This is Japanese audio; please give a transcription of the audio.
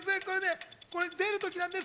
出るときなんです。